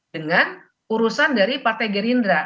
dengan urusan dari partai gerindra